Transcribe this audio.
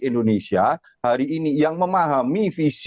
indonesia hari ini yang memahami visi